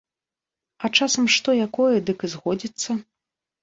А часам што якое дык і згодзіцца.